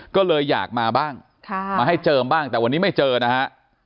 ก็เลยอยากมาบ้างมาให้เจิมบ้างแต่วันนี้ไม่เจอนะฮะ